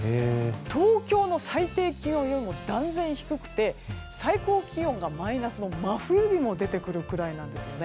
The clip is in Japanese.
東京の最低気温よりも断然低くて最高気温がマイナスの真冬日も出てくるくらいなんです。